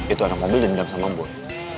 itu anak mobil dendam sama boy